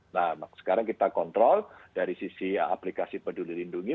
nah sekarang kita kontrol dari sisi aplikasi peduli lindungi